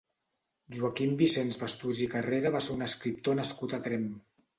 Joaquim Vicenç Bastús i Carrera va ser un escriptor nascut a Tremp.